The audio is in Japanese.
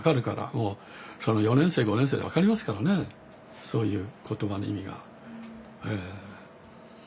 もう４年生５年生で分かりますからねそういう言葉の意味が。